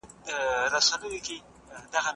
اونۍ کې یو ځل د کټ بیشترې او بالښت پوخ بدل کړئ.